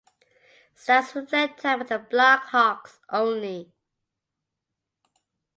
Stats reflect time with the Blackhawks only.